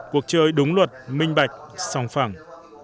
cuộc chơi đúng luật minh bạch song phẳng